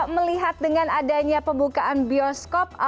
melihat dengan adanya pembukaan bioskop